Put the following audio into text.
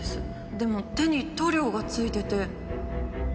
でも手に塗料が付いてて。